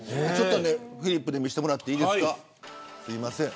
フリップで見せてもらってもいいですか。